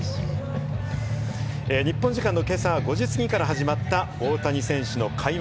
日本時間の今朝５時すぎから始まった大谷選手の開幕